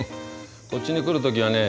こっちに来る時はね